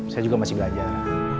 saya juga masih belajar